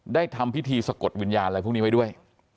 ทำพิธีสะกดวิญญาณอะไรพวกนี้ไว้ด้วย